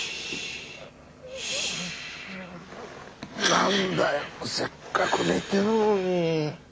何だよせっかく寝てるのに。